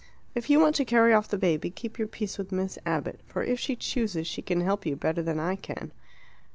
"If you want to carry off the baby, keep your peace with Miss Abbott. For if she chooses, she can help you better than I can."